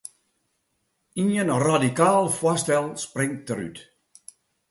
Ien ‘radikaal’ foarstel springt derút.